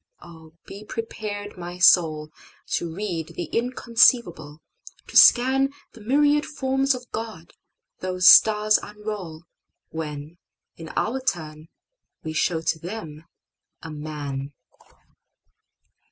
O, be prepared, my soul! To read the inconceivable, to scanThe myriad forms of God those stars unrollWhen, in our turn, we show to them a Man.